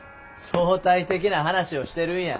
相対的な話をしてるんや。